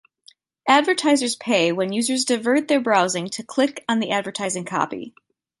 Advertisers pay when users divert their browsing to click on the advertising copy.